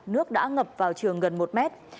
nước đã ngập vào trường gần một mét